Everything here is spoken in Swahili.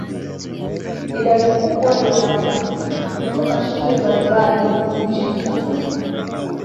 Idadi kubwa ya wanafunzi kutoka shule mbalimbali nchini Tanzania